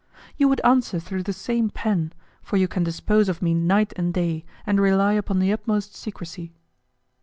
"You would answer through the same pen, for you can dispose of me night and day, and rely upon the utmost secrecy."